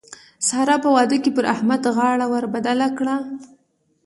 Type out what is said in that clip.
سار په واده کې پر احمد غاړه ور بدله کړه.